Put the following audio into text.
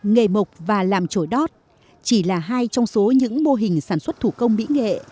nghề mộc và làm trội đót chỉ là hai trong số những mô hình sản xuất thủ công mỹ nghệ